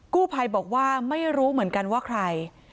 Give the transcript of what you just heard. กู้ภัยบอกว่าไม่รู้เหมือนกันว่าใคร